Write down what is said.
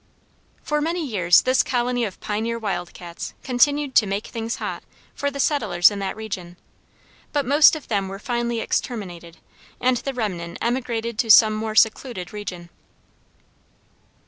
For many years this colony of pioneer wild cats continued to "make things hot" for the settlers in that region, but most of them were finally exterminated, and the remnant emigrated to some more secluded region.